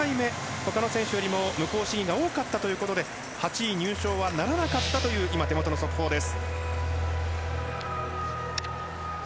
他の選手よりも無効試技が多かったということで８位入賞はならなかったという今、手元の速報です。